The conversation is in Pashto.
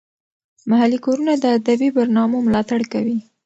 محلي کورونه د ادبي برنامو ملاتړ کوي.